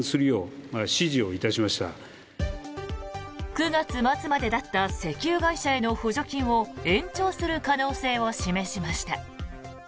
９月末までだった石油会社への補助金を延長する可能性を示しました。